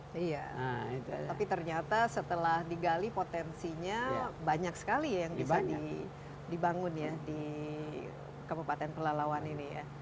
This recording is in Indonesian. iya tapi ternyata setelah digali potensinya banyak sekali ya yang bisa dibangun ya di kabupaten pelalawan ini ya